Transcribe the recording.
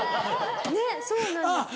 ねっそうなんですね。